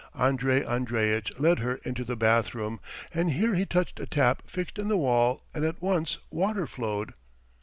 Andrey Andreitch led her into the bathroom and here he touched a tap fixed in the wall and at once water flowed.